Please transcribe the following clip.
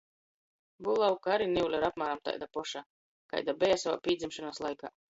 Bulavka ari niule ir apmāram taida poša, kaida beja sovā pīdzimšonys laikā.